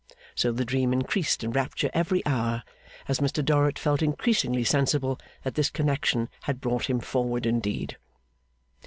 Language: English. So the dream increased in rapture every hour, as Mr Dorrit felt increasingly sensible that this connection had brought him forward indeed.